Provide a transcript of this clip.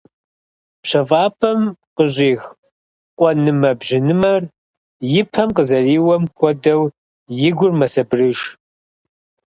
ПщэфӀапӀэм къыщӀих къуэнымэ-бжьынымэр и пэм къызэриуэм хуэдэу, и гур мэсабырыж.